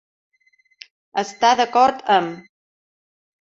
Estar d'acord amb.